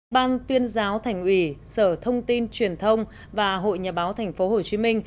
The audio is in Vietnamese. ban tuyên giáo thành ủy sở thông tin truyền thông và hội nhà báo tp hcm